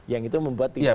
yang itu membuat tidak